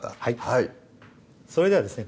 はいそれではですね